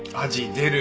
出る！